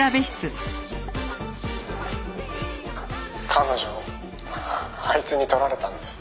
「彼女をあいつに取られたんです」